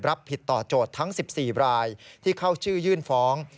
รับผิดต่อโจทย์ทั้ง๑๔รายที่เข้าชื่อยื่นฟ้อง